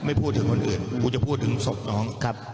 ไม่พูดถึงคนอื่นกูจะพูดถึงศพน้องครับ